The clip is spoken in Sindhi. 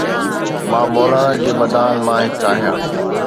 مان مولانا جي مداحن مان هڪ آهيان.